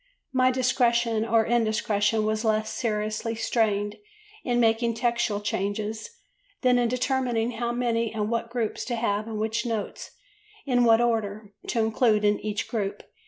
My "discretion or indiscretion" was less seriously strained in making textual changes than in determining how many, and what, groups to have and which notes, in what order, to include in each group.